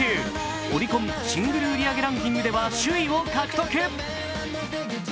オリコンシングル売上ランキングでは首位を獲得。